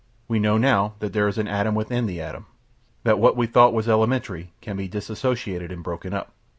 We know now that there is an atom within the atom that what we thought was elementary can be dissociated and broken up.